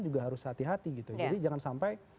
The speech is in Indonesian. juga harus hati hati gitu jadi jangan sampai